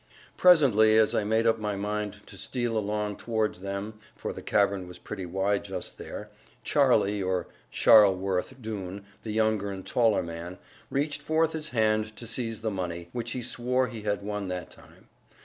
Presently, as I made up my mind to steal along towards them (for the cavern was pretty wide just there), Charlie, or Charleworth Doone, the younger and taller man, reached forth his hand to seize the money, which he swore he had won that time.